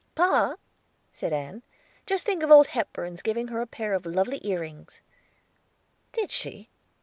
"Pa," said Ann, "just think of Old Hepburn's giving her a pair of lovely ear rings." "Did she?